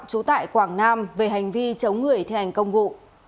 trú tại quảng nam về hành vi chống người thi hành công vụ